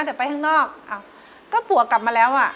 แต่ไปข้างนอกอ้าวก็ผัวกลับมาแล้วอ่ะ